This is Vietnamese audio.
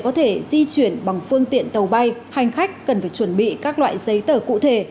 có thể di chuyển bằng phương tiện tàu bay hành khách cần phải chuẩn bị các loại giấy tờ cụ thể